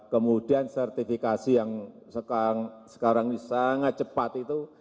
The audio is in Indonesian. kemudian sertifikasi yang sekarang ini sangat cepat itu